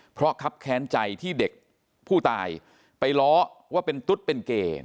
เพราะครับแค้นใจที่เด็กผู้ตายไปล้อว่าเป็นตุ๊ดเป็นเกย์